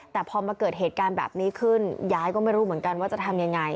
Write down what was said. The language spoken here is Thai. แต่พอมาเกิดเหตุการณ์แบบนี้ขึ้นยายก็ไม่รู้เหมือนกันว่าจะทำยังไง